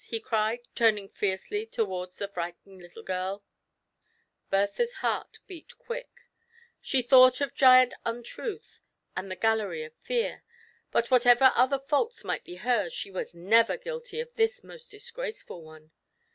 he cned, tuining fiercely towards the frightened little girl Bertha's heart beat quick ; she thought of Giant Un truth, and the gallery of Fear; but whatever other faults might be hers, she waa never guilty of this most dis 1 one.